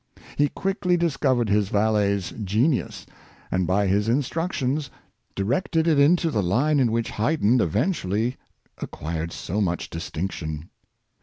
He quickly dis covered his valet^s genius, and, by his instructions, di rected it into the line in which Haydn eventually ac quired so much distinction.